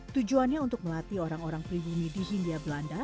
tujuannya untuk melatih orang orang pribumi di hindia belanda